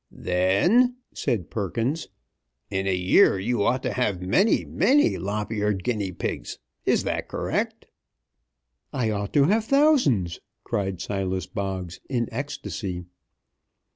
"Then," said Perkins, "in a year you ought to have many, many lop eared guinea pigs. Is that correct?" "I ought to have thousands!" cried Silas Boggs, in ecstasy.